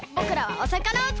おさかなね。